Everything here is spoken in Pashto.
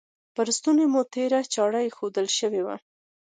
پر ستوني مو تیره چاړه ایښودل شوې وه.